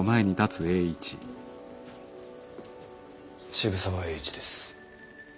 渋沢栄一です。